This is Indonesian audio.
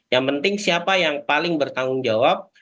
yang penting siapa yang paling bertanggung jawab